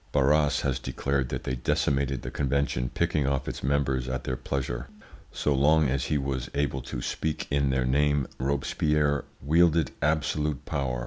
Barras has declared that they decimated the convention, picking off its members at their pleasure. So long as he was able to speak in their name, Robespierre wielded absolute power.